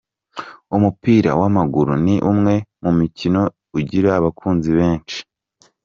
Umupira w’amaguru ni umwe mu mikino ugira abakunzi benshi.